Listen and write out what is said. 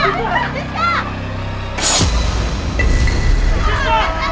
makanya bisa belum begitu